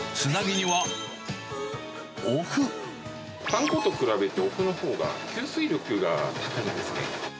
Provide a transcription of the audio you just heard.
で、パン粉と比べて、おふのほうが吸水力が高いんですね。